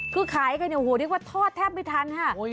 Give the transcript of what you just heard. คือขายกันเนี่ยโอ้โหเรียกว่าทอดแทบไม่ทันค่ะ